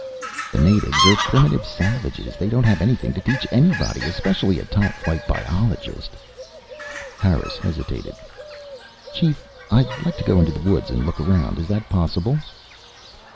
"The natives are primitive savages. They don't have anything to teach anybody, especially a top flight biologist." Harris hesitated. "Chief, I'd like to go into the woods and look around. Is that possible?"